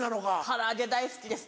唐揚げ大好きです。